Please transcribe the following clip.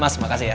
mas makasih ya